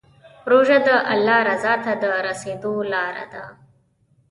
روژه د الله رضا ته د رسېدو لاره ده.